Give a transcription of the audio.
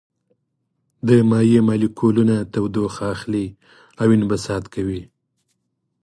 د مایع مالیکولونه تودوخه اخلي او انبساط کوي.